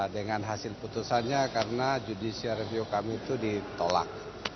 dengan hasil putusannya karena judicial review kami itu ditolak